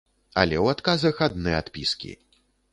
Але ў адказах адны адпіскі.